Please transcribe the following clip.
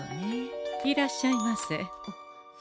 いらっしゃいませ。